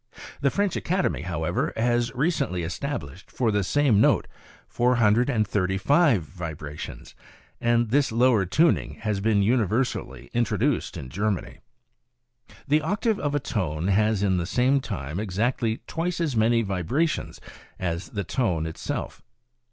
The French Academy, however, has recently established for the same note 435 vibrations, and this lower tuning has been universally introduced in Germany. " The octave of a tone has in the same time exactly twice as many vibra tions as the tone itself.